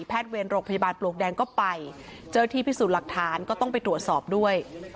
เวรโรงพยาบาลปลวกแดงก็ไปเจอที่พิสูจน์หลักฐานก็ต้องไปตรวจสอบด้วย